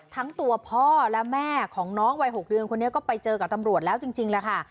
ทั้งตัวพ่อและแม่ของน้องวัย๖เดือนคนนี้ก็ไปเจอกับตำรวจแล้วจริงแหละค่ะ